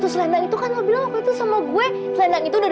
saya masih masih